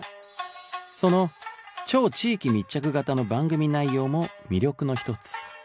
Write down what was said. その超地域密着型の番組内容も魅力の１つ